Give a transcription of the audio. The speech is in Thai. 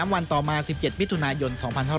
๓วันต่อมา๑๗วิทยุนายน๒๕๕๗